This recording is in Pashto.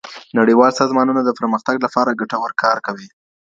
نړیوال سازمانونه د پرمختګ لپاره ګټور کار کوي.